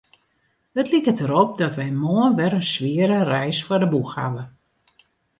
It liket derop dat wy moarn wer in swiere reis foar de boech hawwe.